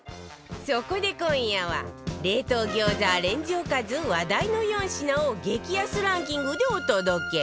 そこで今夜は冷凍餃子アレンジおかず話題の４品を激安ランキングでお届け